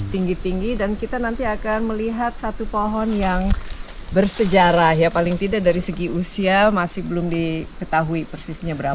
tinggi tinggi dan kita nanti akan melihat satu pohon yang bersejarah ya paling tidak dari segi usia masih belum diketahui persisnya berapa